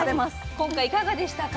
今回いかがでしたか？